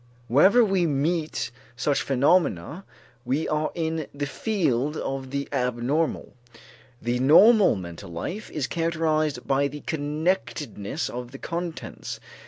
Wherever we meet such phenomena, we are in the field of the abnormal. The normal mental life is characterized by the connectedness of the contents.